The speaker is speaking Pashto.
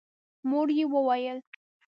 مور يې وويل: